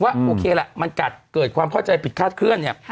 ว่าโอเคละมันเกิดความเข้าใจผิดคาดเคลื่อน